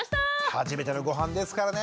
初めてのごはんですからねえ。